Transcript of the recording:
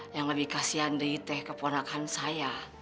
yang lebih kasian dari teh keponakan saya